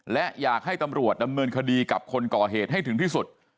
และอยากให้ตำรวจดำเนินคดีกับคนก่อเหตุให้ถึงที่สุด